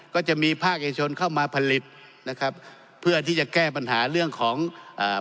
ก็จะมีภาคเอกชนเข้ามาผลิตนะครับเพื่อที่จะแก้ปัญหาเรื่องของอ่า